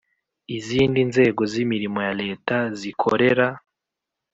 izindi nzego z imirimo ya Leta zikorera